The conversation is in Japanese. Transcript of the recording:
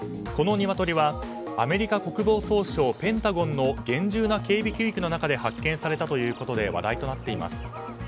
このニワトリはアメリカ国防総省ペンタゴンの厳重な警備区域の中で発見されたということで話題となっています。